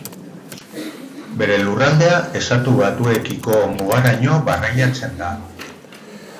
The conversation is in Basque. Bere lurraldea Estatu Batuekiko mugaraino barreiatzen da.